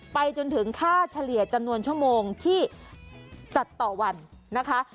ไปจนถึงค่าเฉลี่ยจำนวนชั่วโมงที่จัดต่อวันนะคะ